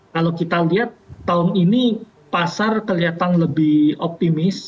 kalau kita lihat tahun ini pasar kelihatan lebih optimis